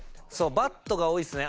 「バッド」が多いですね。